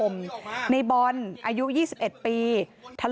มีชายแปลกหน้า๓คนผ่านมาทำทีเป็นช่วยค่างทาง